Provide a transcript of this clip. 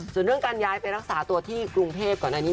ส่วนเรื่องการย้ายไปรักษาตัวที่กรุงเทพก่อนอันนี้